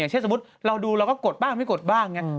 เช่นสมมุติเราดูเราก็กดบ้างไม่กดบ้างอย่างนี้